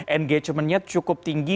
engajemennya cukup tinggi